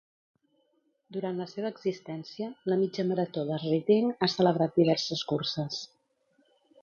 Durant la seva existència, la Mitja Marató de Reading ha celebrat diverses curses.